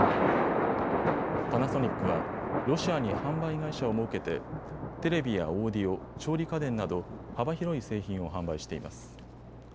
パナソニックはロシアに販売会社を設けてテレビやオーディオ、調理家電など幅広い製品を販売しています。